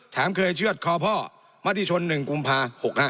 เคยเชื่อดคอพ่อมัธิชน๑กุมภา๖๕